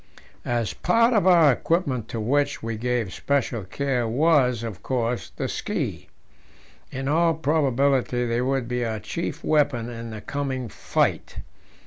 A part of our equipment to which we gave special care was, of course, the ski; in all probability they would be our chief weapon in the coming fight.